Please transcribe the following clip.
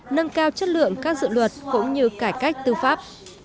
nâng cao chất lượng các dự luật cũng như cải cách tư pháp